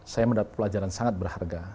saya mendapat pelajaran sangat berharga